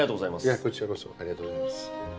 いえこちらこそありがとうございます。